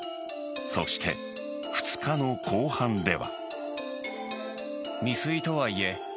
そして２日の公判では。